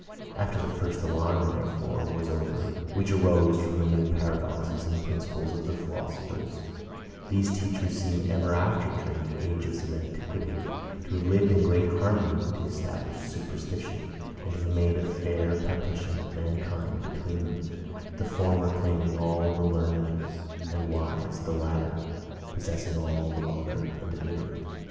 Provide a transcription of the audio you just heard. After the first alarm, therefore, was over, which arose from the new paradoxes and principles of the philosophers; these teachers seem ever after, during the ages of antiquity, to have lived in great harmony with the established superstition, and to have made a fair partition of mankind between them; the former claiming all the learned and wise, the latter possessing all the vulgar and illiterate.